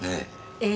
ええ。